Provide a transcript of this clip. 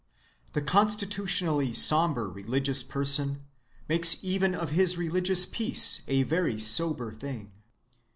The constitutionally sombre religious person makes even of his religious peace a very sober thing.